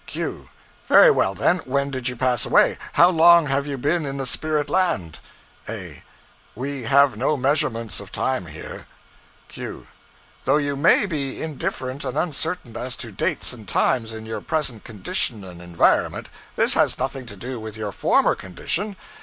Q. Very well, then, when did you pass away? How long have you been in the spirit land? A. We have no measurements of time here. Q. Though you may be indifferent and uncertain as to dates and times in your present condition and environment, this has nothing to do with your former condition.